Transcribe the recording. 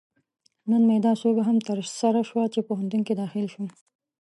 نن مې دا سوبه هم ترسره شوه، چې پوهنتون کې داخل شوم